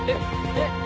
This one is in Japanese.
えっ？